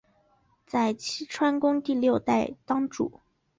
有栖川宫第六代当主。